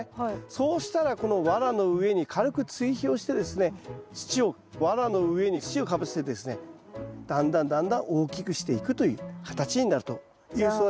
そうしたらこのワラの上に軽く追肥をしてですね土をワラの上に土をかぶせてですねだんだんだんだん大きくしていくという形になるという育ち方をします。